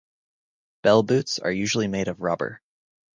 Bell boots are usually made of rubber.